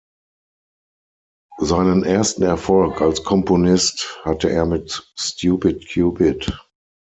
Seinen ersten Erfolg als Komponist hatte er mit "Stupid Cupid".